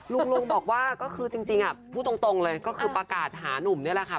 ลุงลุงบอกว่าก็คือจริงพูดตรงเลยก็คือประกาศหานุ่มนี่แหละค่ะ